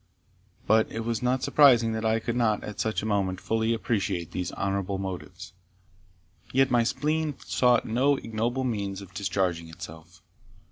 But it was not surprising that I could not, at such a moment, fully appreciate these honourable motives; yet my spleen sought no ignoble means of discharging itself.